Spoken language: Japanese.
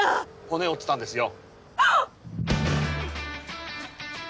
骨折ってたんですよはっ！